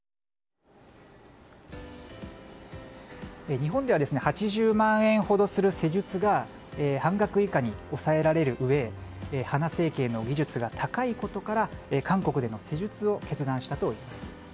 日本では８０万円ほどする施術が半額以下に抑えられるうえ鼻整形の技術が高いことから韓国での施術を決断したといいます。